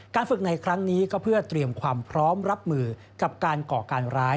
ฝึกในครั้งนี้ก็เพื่อเตรียมความพร้อมรับมือกับการก่อการร้าย